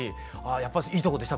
やっぱいいとこでした？